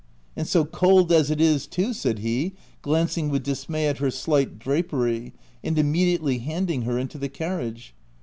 "And so cold as it is too l" said he, glancing with dismay at her slight drapery, and imme diately handing her into the carriage.